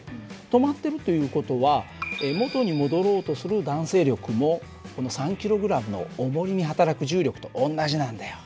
止まってるという事は元に戻ろうとする弾性力もこの３ｋｇのおもりにはたらく重力と同じなんだよ。